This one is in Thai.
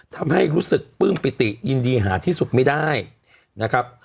ทำให้รู้สึกปลื้มปิติยินดีหาที่สุดไม่ได้นะครับ